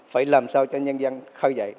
phải làm sao cho nhân dân khai dạy